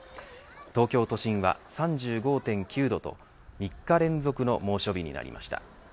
東京都心は３９．５度と３日連続の猛暑日になりました。